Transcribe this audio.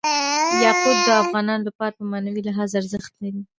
یاقوت د افغانانو لپاره په معنوي لحاظ ارزښت لري.